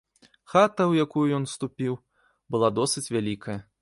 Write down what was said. Хата, у якую ён уступіў, была досыць вялікая.